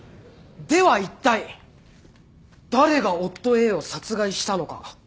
ではいったい誰が夫Ａを殺害したのか？